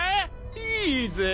いいぜ。